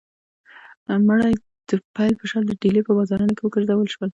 مړی د پیل په شا د ډیلي په بازارونو کې وګرځول شو.